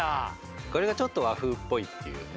これがちょっと和風っぽいっていうね